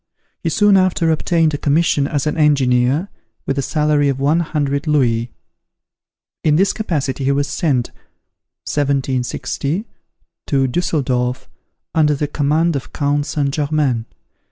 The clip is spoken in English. He soon after obtained a commission as an engineer, with a salary of one hundred louis. In this capacity he was sent (1760) to Dusseldorf, under the command of Count St. Germain.